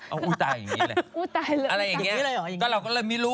เอาอุตาอย่างงี้เลย